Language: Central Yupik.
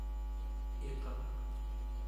iqaq